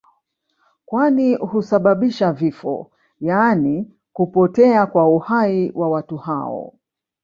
kwani husababisha vifo yaani kupotea kwa uhai wa watu hao